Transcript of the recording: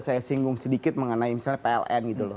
saya singgung sedikit mengenai misalnya pln gitu loh